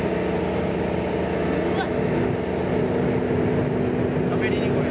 うわっ！